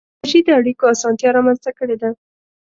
ټکنالوجي د اړیکو اسانتیا رامنځته کړې ده.